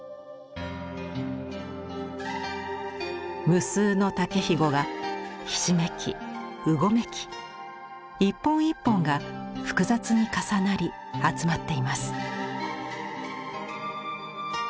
無数の竹ひごがひしめきうごめき一本一本が複雑に重なり集まっています。